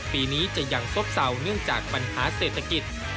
ปีนี้จะยังซบเศร้าเนื่องจากปัญหาเศรษฐกิจ